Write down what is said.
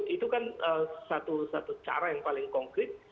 itu kan satu satu cara yang paling konkret